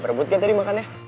berebut kan tadi makannya